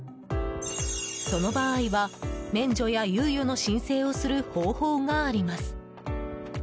その場合は免除や猶予の申請をする方法があります。